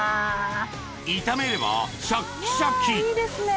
炒めればシャッキシャキ！